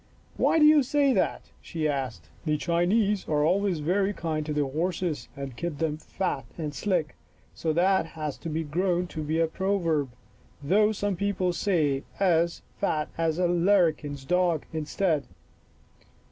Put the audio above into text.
" Why do you say that? " she asked. " The Chinese are always very kind to their horses and keep them fat and slick, so that has grown to be a proverb, though some people say as ' fat as a larrikin's dog,' instead."